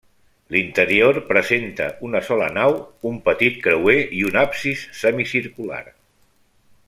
L'interior presenta una sola nau, un petit creuer i un absis semicircular.